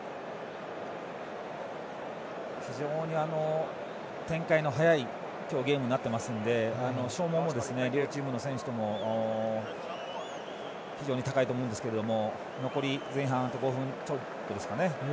非常に展開の速いゲームになっていますので消耗も、両チームの選手とも非常に高いと思うんですけれども残り前半あと５分ちょっとですか。